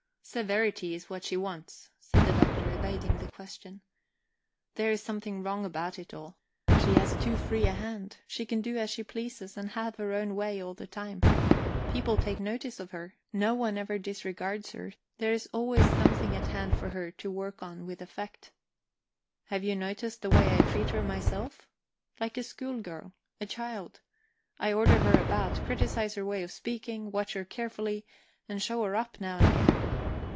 "Severity's what she wants," said the Doctor, evading the question. "There's something wrong about it all; she has too free a hand; she can do as she pleases, and have her own way all the time. People take notice of her; no one ever disregards her; there is always something at hand for her to work on with effect. Have you noticed the way I treat her myself? Like a schoolgirl, a child; I order her about, criticise her way of speaking, watch her carefully, and show her up now and again.